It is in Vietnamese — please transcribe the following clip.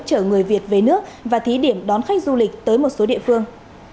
chở người việt về nước và thí điểm đón khách du lịch tới một số địa phương